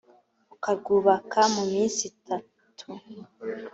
ukarwubaka mu minsi itatu